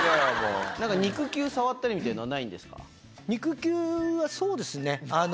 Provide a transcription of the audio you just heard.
肉球触ったりみたいのはない肉球はそうですね。